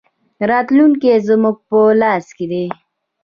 راتلونکی زموږ په لاس کې دی